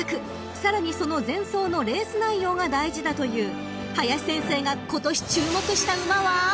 さらにその前走のレース内容が大事だという林先生が今年注目した馬は］